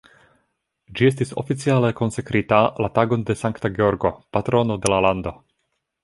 Ĝi estis oficiale konsekrita la tagon de Sankta Georgo, patrono de la lando.